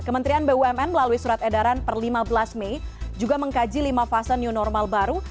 kementerian bumn melalui surat edaran per lima belas mei juga mengkaji lima fase new normal baru